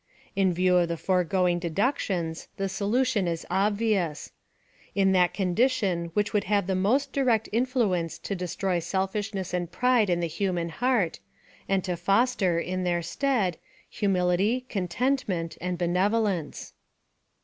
In view of the foregoing deduc tions, the solution is obvious: — In that condition wliicli would have the most direct influence to de stroy selfishness and pride in the human heart, and to foster, in their stead, hurwility, contentment, and benevole?ice.